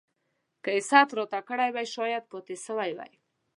که يې ست راته کړی وای شايد پاته سوی وای.